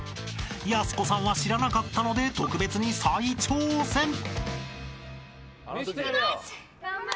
［やす子さんは知らなかったので特別に再挑戦］いきます！